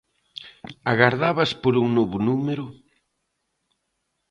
Agardabas por un novo número?